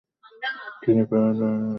তিনি প্যারাবলয়েডের আয়তন নির্ণয় করেন।